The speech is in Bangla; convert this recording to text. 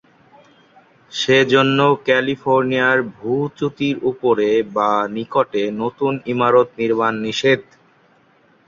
সে জন্য ক্যালিফোর্নিয়ায় ভূ-চ্যুতির উপরে বা নিকটে নতুন ইমারত নির্মাণ নিষেধ।